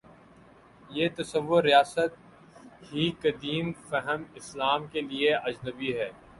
یہ تصور ریاست ہی قدیم فہم اسلام کے لیے اجنبی ہے۔